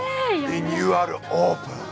リニューアルオープン！